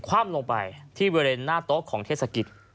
คว่ามลงไปที่เวรส์หน้าโต๊ะของเทศกิจ